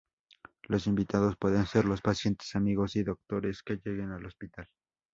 Los invitados pueden ser los pacientes, amigos y doctores que lleguen al hospital.